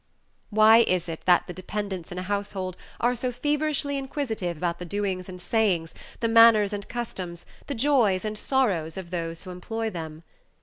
Why is it that the dependents in a household are so feverishly inquisitive about the doings and sayings, the manners and customs, the joys and sorrows of those who employ them?